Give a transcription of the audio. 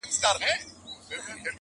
• د غوايي څنګ ته یې ځان وو رسولی -